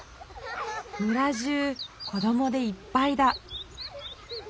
村じゅう子どもでいっぱいだ。